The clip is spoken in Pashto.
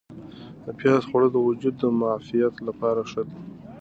د پیاز خوړل د وجود د معافیت لپاره ښه دي.